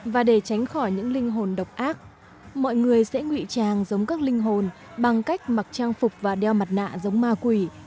và để tránh khỏi những linh hồn độc ác mọi người sẽ ngụy trang giống các linh hồn bằng cách mặc trang phục và đeo mặt nạ giống ma quỷ